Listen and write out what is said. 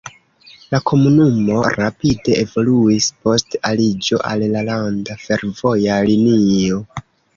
La komunumo rapide evoluis post aliĝo al la landa fervoja linio.